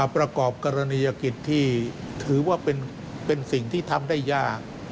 ประกอบกรณีกิจที่ถือว่าเป็นสิ่งที่ทำได้ยาก